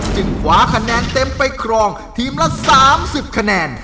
คว้าคะแนนเต็มไปครองทีมละ๓๐คะแนน